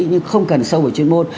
nhưng không cần sâu về chuyên môn